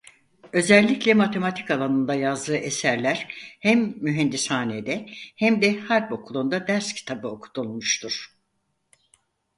Özellikle matematik alanında yazdığı eserler hem Mühendishâne'de hem de Harb Okulu'nda ders kitabı okutulmuştur.